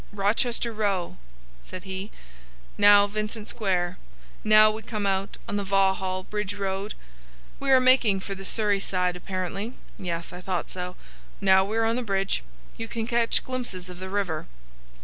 "Rochester Row," said he. "Now Vincent Square. Now we come out on the Vauxhall Bridge Road. We are making for the Surrey side, apparently. Yes, I thought so. Now we are on the bridge. You can catch glimpses of the river."